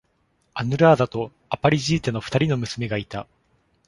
アヌラーダとアパリジータの二人の娘がいた